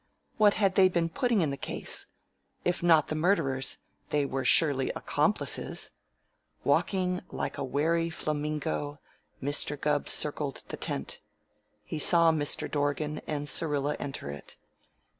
What had they been putting in the case? If not the murderers, they were surely accomplices. Walking like a wary flamingo, Mr. Gubb circled the tent. He saw Mr. Dorgan and Syrilla enter it.